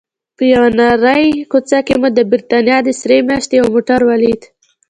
په یوې نرۍ کوڅه کې مو د بریتانیا د سرې میاشتې یو موټر ولید.